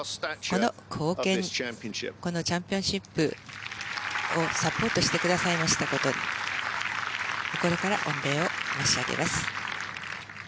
このチャンピオンシップをサポートしてくださいましたことに心から御礼を申し上げます。